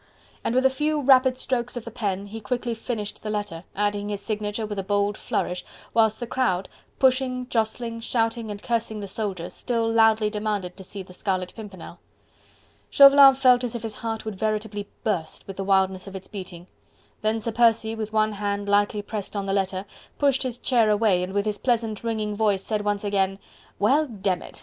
And with a few rapid strokes of the pen, he quickly finished the letter, adding his signature with a bold flourish, whilst the crowd, pushing, jostling, shouting and cursing the soldiers, still loudly demanded to see the Scarlet Pimpernel. Chauvelin felt as if his heart would veritably burst with the wildness of its beating. Then Sir Percy, with one hand lightly pressed on the letter, pushed his chair away and with his pleasant ringing voice, said once again: "Well! demn it...